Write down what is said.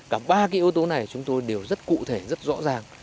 cả ba cái yếu tố này chúng tôi đều rất cụ thể rất rõ ràng